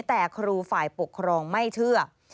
แต่ครูฝ่ายปกครองไม่เชื่อ